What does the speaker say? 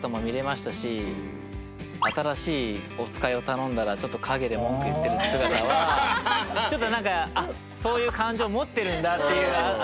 新しいおつかいを頼んだら陰で文句言ってる姿はそういう感情持ってるんだっていう。